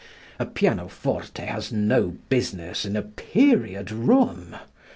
A pianoforte has no business in a "period" room.